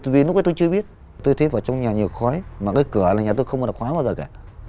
vì lúc ấy tôi chưa biết tôi thấy vào trong nhà nhiều khói mà cái cửa này nhà tôi không mở được khóa bao giờ kìa